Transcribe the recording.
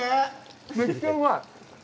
めっちゃうまい。